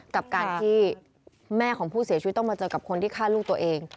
กับการที่แม่ของผู้เสียชีวิตต้องมาเจอกับคนที่ฆ่าลูกตัวเอง